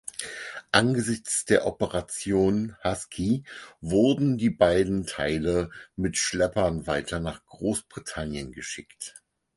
Angesichts der Operation Husky wurden die beiden Teile mit Schleppern weiter nach Großbritannien geschickt.